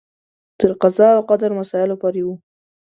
تر قضا او قدر مسایلو پورې و.